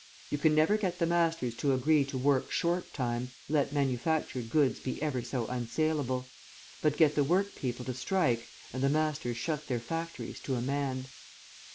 You can never get the masters to agree to work 'short time,' let manufactured goods be ever so unsaleable; but get the workpeople to strike, and the masters shut their factories to a man.